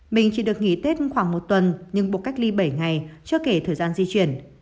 mình chỉ được nghỉ tết khoảng một tuần nhưng buộc cách ly bảy ngày chưa kể thời gian di chuyển